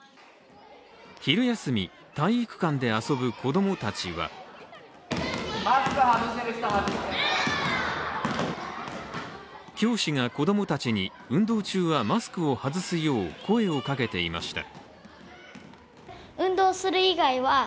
昼休み、体育館で遊ぶ子供たちは教師が子供たちに運動中はマスクを外すよう声をかけていました。